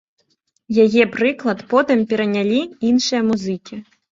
Яе прыклад потым перанялі іншыя музыкі.